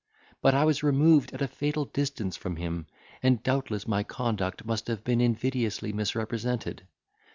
But I was removed at a fatal distance from him, and doubtless my conduct must have been invidiously misrepresented.